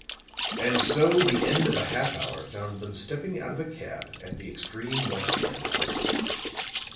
And so the end of a half hour found them stepping out of a cab at the extreme west end of the city.